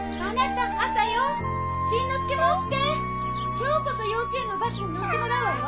今日こそ幼稚園のバスに乗ってもらうわよ。